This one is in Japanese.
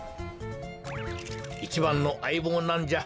いちばんのあいぼうなんじゃ。